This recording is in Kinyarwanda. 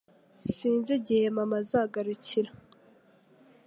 S Sinzi igihe mama azagarukira